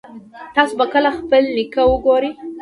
تاسو به کله خپل نیکه وګورئ